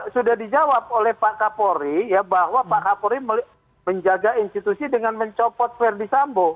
sudah dijawab oleh pak kapolri ya bahwa pak kapolri menjaga institusi dengan mencopot verdi sambo